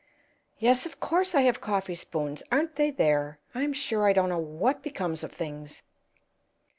"Yes, of course I have coffee spoons. Aren't they there? I'm sure I don't know what becomes of things."